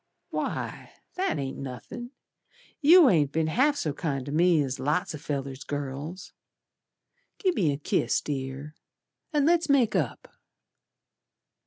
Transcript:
"Why, that ain't nothin'. You ain't be'n half so kind to me As lots o' fellers' girls. Gi' me a kiss, Dear, And let's make up."